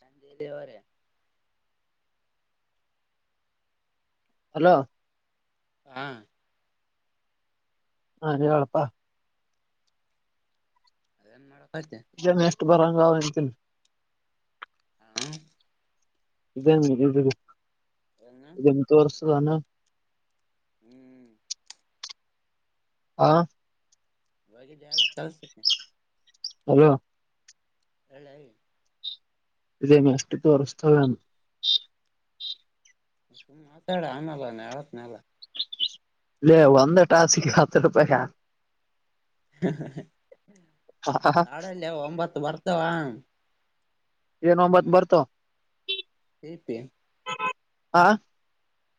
ಸಂಜೆ ದೇವರೆ ಹಲೋ ಹಾ ಹಾ ನೀ ಎಳಪ್ಪಾ ಅದೇನು ಮಾಡೋಕಐತೆ ಜನ ಎಷ್ಟು ಬರಂಗ ಅವ ಅಂತನಿ ಹ್ಮ ಇದೇ ಎನ್ನು ತೋರಿಸಸುದಾನ ಹ್ಮ್ ಹಾ ಬಗೆ ಜಲ್ಲ ಹಲೋ ಎಳ ಇದೇನೆ ಅಷ್ಟು ತೋರಿಸ್ತದಾನು ಮಾತಾಡ ಆನಲ್ಲ ಹೇಳತ್ನಲ್ಲ ಇ ಒಂದ ಟಾಸಿಗೆ ಹತ್ತು ರೂಪಾಯಿ ಆಾಡಲ್ಲಿ ಒಂಬತ್ತು ಬರ್ತಾವ ಏನ ಒಂಬತ್ ಬರ್ತ ಹೇ ಪೇ ಆಾ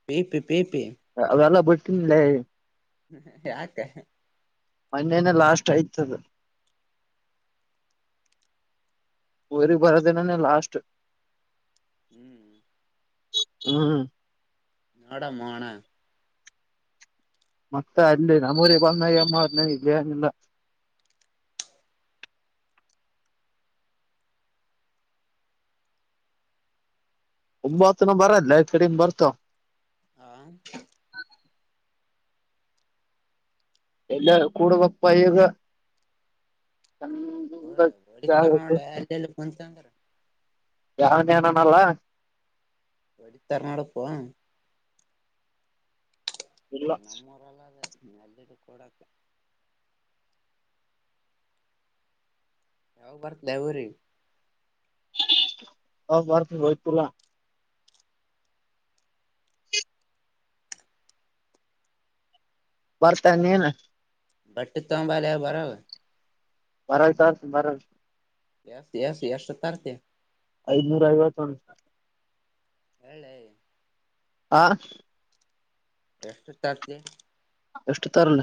ಪೇ ಪೇ ಪೇ ಪೇ ಅವೆಲ್ಲ ಬಿಡ್ತನ್ ಲ್ಲೇ ಹ್ಮ ಯಾಕ ಮೊನನೆ ಲಾಸ್ಟ್ ಆಯ್ತದ ರಿ ಬರೋದೇನನ ಲಾಸ್ಟ್ ಹ್ಮ್ ಹ್ಮ್ ಅಮ ಮತ್ತೆ ಅಲ್ಲಿ ನಮ್ಮೂರಿ ಬಂದ ಅಮ್ಮನ್ನ ಇಲ್ಲಿಲ್ಲ ಒಂಬತ್ತುನ ಬರಲ್ಲ ಕಡಿಂದ ಬರ್ತೋ ಹಾ ಎಲ್ಲ ಕೂಡುವ ಪಯಗ ಹ ಗಡ ಬಡಿ ತರ ನಳಲ್ಲ ಚಂತರ ಯಾವನೇನನಲ್ಲ ಒಡಿ ತರ್ನಾಡಪ್ಪ ಇಲ್ಲ ನಮ್ಮೂರಲ್ಲ ಅದ ನೆಲ್ಲಿದ್ದ ಕೊಡಕ ಯಾವಾಗ ಬರ್ತ್ ಲೈಬ್ರರಿ ಹ ಬರ್ತ ತುಲ ಬರ್ತಾನ ನೀನ್ ಬಟ್ಟು ತಂಬಾಲ ಬರ ಬರ ಸ ಮರ ಎಸ್ ಎಸ್ ಎಸ್ ಸು ತಾರ್ತೆ ಐದನೂರ ಐವ ತ ಎಳ್ಳೆ ಹಾಂ ಎಷ್ಟು ಚಾರ್ ಎಷ್ಟು ತರಲ್ಲ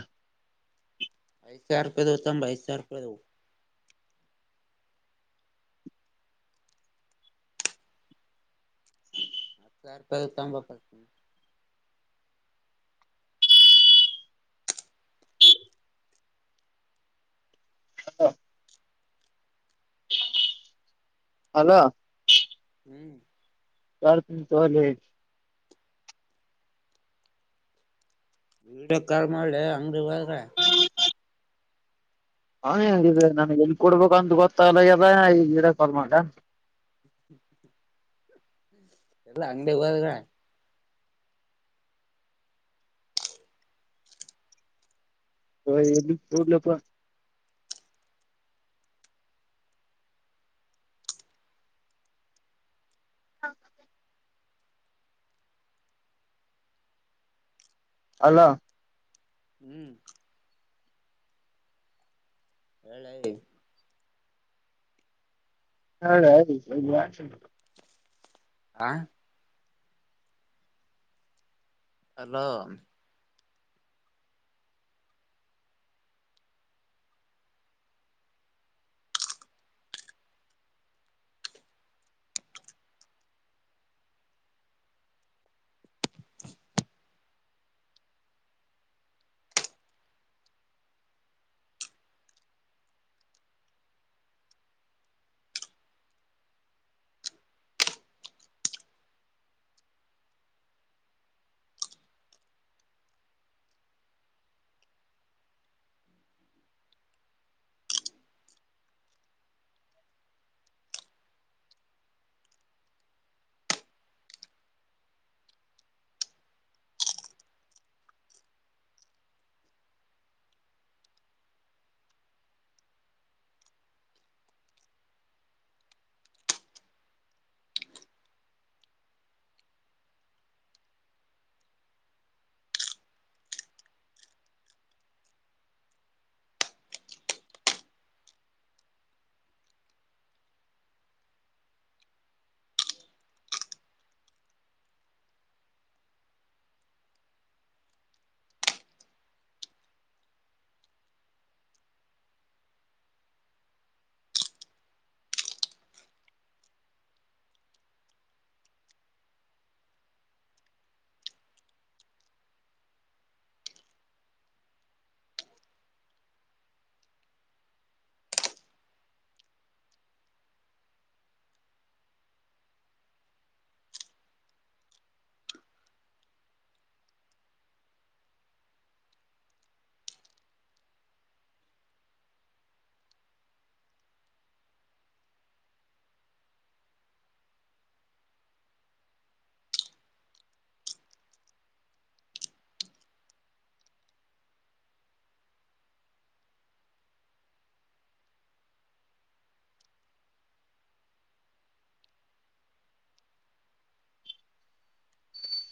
ಐಸ್ ಆರ್ ಕ ತಂಬ ಐಸಸ್ ಆರ್ ಕೋ ಹತ್ತು ರಪ ಕ ಬತ ಹ ಅಲ ಹ್ಮ್ ಸರ್ ತಿ ತಲ. ವಿಡಿಯೋ ಕಾಲ್ ಮಾಡ್ಲೆ ಅಂಗಡಿ ಹೋದ್ರೆ. ಹೌ ಹಾ ನನ್ ಎಲ್ ಕೊಡ್ಬೇಕ ಅಂತ ಗೊತ್ತಗಲ್ಲಗದ ಈಗ ವಿಡಿಯೋ ಕಾಲ್ ಮಾಡ್ಲ್ಯ [unintelligible] ಎಲ್ಲ ಅಂಗಡಿ [inaudible] ಹಪ್ಪ ಹೌ ಅಲ್ಲ ಹ್ಮ್ ಹೇಳ ಹಾ ಅದು ಹಾ ಆಲಾಮ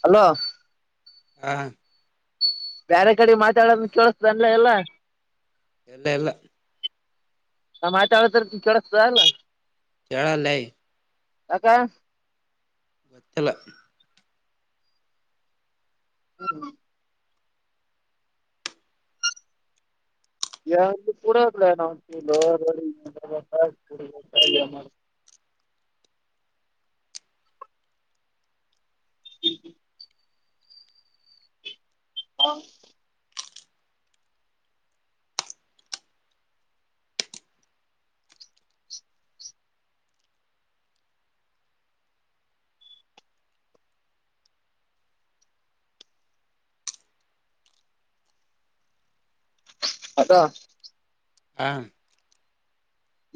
ಹಲೋ ಹಾ ಬೇರೆ ಕಡೆ ಮಾತಾಡೋದ ಕೇಳಿಸಸತ ಅನ್ಲ ಎಲ್ಲಾ. ಎಲ್ಲ ಇಲ್ಲ ಹ ಮಾತತ ಕೆೇಳಸಲ್ಲ ಜಳಲ ಕೆ ಗತ್ತಲ ಹ ಎ ಕೂಡ್ಲನ್ ಹ ಅದ ಹಾ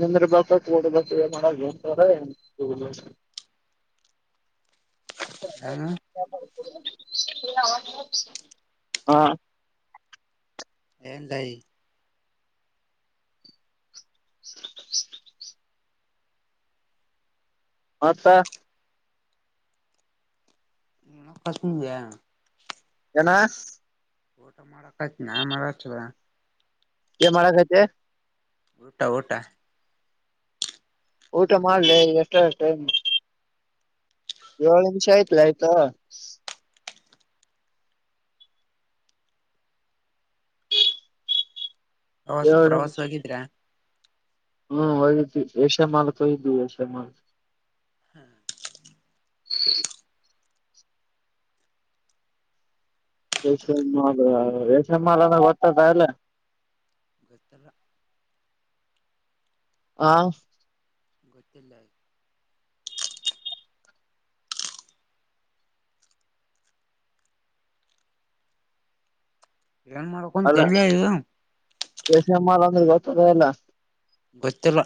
ಎಂದ್ರ ಬ ಕಡ್ಬೇಕು ಏ ಮಾಡಂತ ಹ ಹಾ ಎಏಂದಐ ಸ ಹಾಂತ್ತ ಇ ಕಸಮ ಏನ ಫೋಟೋ ಮಾಡಕ ನಾ ಮಾಡ ಚರ ಮಾಡಕೈತೆ ಊಟಾ ಊಟಾ ಊಟ ಮಾಡ್ಲಿ ಎಷ್ಟಷ್ಟ ಏಳ ನಿಮಿಷ ಆಯ್ತ್ಲ ಆಯ್ತಾ ಪ್ರವಾಸ ಏಳು ಪ್ರವಾಸ ನಿಮಿಷ ಹೋಗಿದ್ರಾ ಹ್ಮ್ ಏಷ್ಯ ಮಾಲ್ ಕ ಏಷೆ ಮಾಲ್ ಹ್ಮ್ ಹ್ಮ ಮಾಲ್ ರೇಷನ್ ಮಾಲ್ ಅಂದ ಗೊತ್ತದ ಅಲ್ಲೇ ಗತ್ತರ ಹಾ ಗೊತ್ತಿಲ್ಲಾ ಏನ್ ಮಾಡ್ಕೊಂತ ತಲ್ಯ ಇ ಬೇಸಿ ಅಮ್ಮಾ ಅಂದ್ರೆ ಗೊತ್ತದ ಎಲ್ಲ ಗೊತ್ತಿಲ್ಲ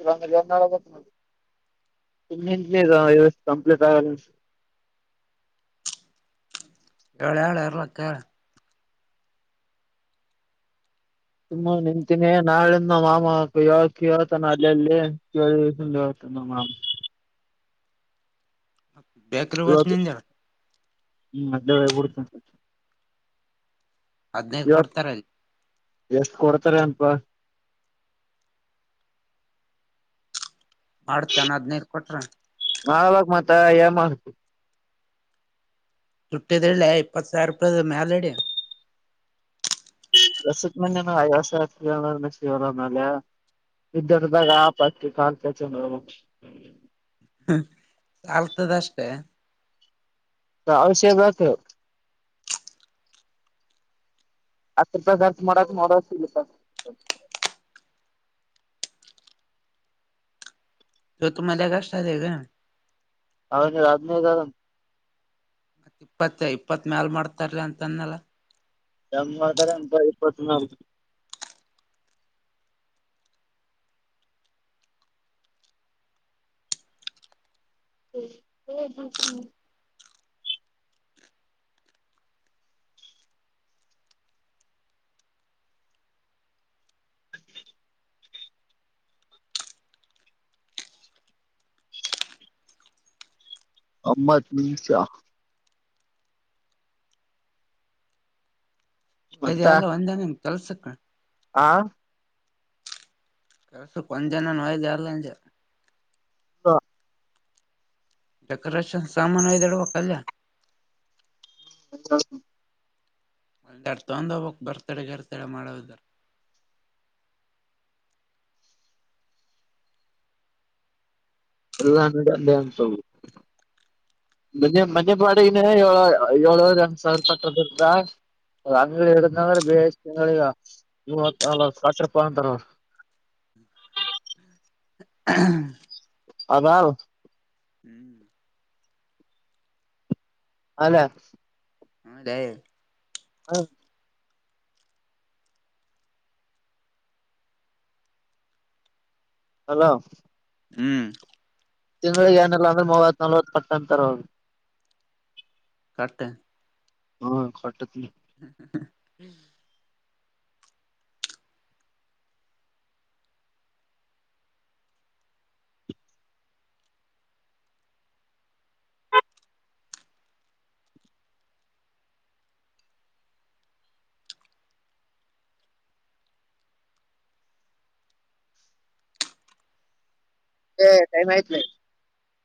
ಇ ಕಂಪ್ಲೀಟ್ ಆಗಲ್ಲ ಹೇಳೆ ಹೇಳ ಇರ್ಲಕ್ಕ ತುಂಬಾ ನಿಂತೀನಿ ನಾಳಿಂದ ನ ಮಾಮ ಯಕ ಹೇಳ್ತಾನ ಅಲ್ಲಲ್ಲಿ ಏ ದಿವಸ ಹೇಳ್ತಾನ ಮಾಮ ಬ್ಯಾೇಕ್ರವಚ್ ಇವತ್ತು ನ ಜರ ಹ್ಮ್ ಅದೇ ಬಿಡ್ತ ಅದ್ನೇ ಇವತ್ ಕೊಡ್ತಾರಲ್ಲಿ ಎಷ್ಟ್ ಕೊಡ್ತಾರೆ ಅಪ ಬಾ ಚೆನ್ನದ್ನೇ ಇರ್ ಕೊಟ್ರ ಮಾಡಬೇಕು ಮತ್ತೆ ತುಟ್ಟಿದ ಎಲ್ಲೆ ಇಪ್ಪತ್ತು ಸಾವಿರ ರೂಪಾಯದ ಮಾಲ ಎಡೆಯ ಎಸಕ್ ಮೇ ಅಯಾಸ ಆತ ಶಿವರಮೇಲೆ ಇದ್ದರ್ದಾಗ ಆಪಾಕಿ ಕಾಲ್ಕ ಚಂದ ಹ ಆಲ್ತದ ಅಷ್ಟೇ ಹಷಯ ಬತ ಆತ್ತು ರಪಿ ಹರ್ ಮ ಮಾಡಡ ಮ ಮಾಡೋ ತ ತು ಮಲೆ ಕಷ್ಟಾರೆಗ ಅವನ ಹದಿನೈದ ಆದ ಮತ್ತತ್ ಇಪ್ಪತ್ತ ಇಪ್ಪತ್ ಮ್ಯಾಲ ಮಾಡ್ತಾರೀ ಅಂತ ಅನ್ನಲ್ಲ ನಮ್ಮತಾರೆ ಎಂತ ಇಪ್ಪ ಹ ಹ ಅಮ್ಮತ್ ನಿಮಷಾ ದ ಅಲ್ಲ ಒಂದ್ನ ನಿಮ ಕೆಲ್ಸಕ್ ಆಾ ಕೆಲಸು ಕೊಂಚ ಜನ ನೋಯ್ದ ಇಲ್ಲಜ ಹಾ ಡೆಕೋರೇಷನ್ ಸಾಮಾನು ಇದಯ್ದ ಇಡಬೇಕ ಕಲ್ಯ ಹ ತೊಂದ ಹೋಗಕ್ ಬರ್ತಾಡೆ ಗರ್ತಡೆ ಮಾಡದರು ಎಲ್ಲಂದ ಅ್ಯಾನ್ಸುದು ಮನೆ ಮನೆ ಬಾಡಗಿನ ಏ ಏಳವರ್ ಎಂಟು ಸಾವಿರಪದ ಅಂಗ ಎರ್ರ ಬಷ್ಟಗ ಕಪ್ಪ ಅಂತಾರ ಹ್ಮ ಅದಾವ ಹ್ಮ್ ಅಲ್ಲ ಹಾದ ಹೌದು ಹಲೋ ಹ್ಮ್ ತಿಂಳಿಗೆ ಏನಲ್ಲ ಅಂದ್ರ ಮೂವತ್ಲ್ವತ್ತು ಪಟ್ಟ ಅಂತರೋಗಿ ಕಟ್ಟೆ ಹ್ಮ ಹೊಟ್ಟತ್ ಹ್ಮ ಹ್ಮ ಹ್ಮ ಹ ತ ಮಾಹಿತ